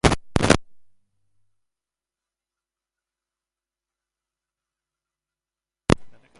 Gero hemen grabatutako guztia ordenadorera joaten omen da zuzen han bertan entzuteko.